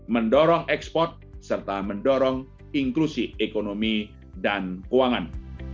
mendorong ekspor serta mendorong inklusi ekonomi dan keuangan